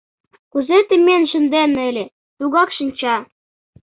Кузе темен шынден ыле — тугак шинча.